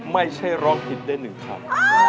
ไม่ใช่ร้องผิดได้๑คำ